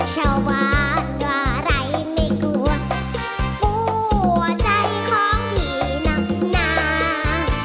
ชาวหวานกว่าไรไม่กลัวกลัวใจของผีหนักหนา